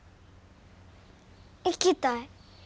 行きたい。